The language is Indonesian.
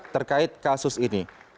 terkait kasus ini